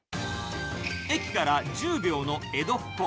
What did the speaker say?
駅から１０秒の江戸ッ子。